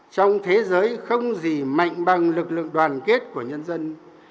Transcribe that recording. trong thế giới không gì mạnh bằng lực lượng đoàn kết của nhân dân